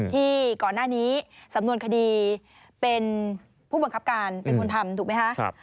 ที่ก่อนหน้านี้สำนวนคดีเป็นผู้บังคับการเป็นคนทำถูกไหมคะ